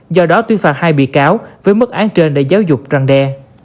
do đó tuyên phạt hai bị cáo với mức án trên để giáo dục răng đe